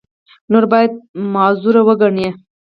نور باید معذور وګڼي.